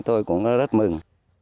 tôi cũng rất mừng